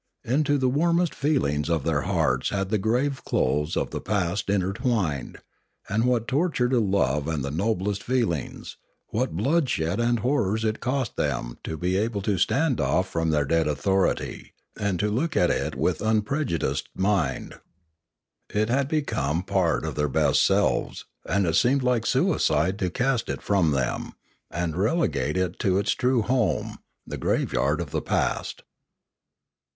Into the warmest feelings of their hearts had the grave clothes of the past intertwined; and what torture to love and the noblest feelings, what bloodshed and horrors it cost them to be able to stand off from their dead authority, and look at it with unprejudiced mind! It had become a part of their best selves, and it seemed like suicide to cast it from them, and relegate it to its true home, the graveyard of the past.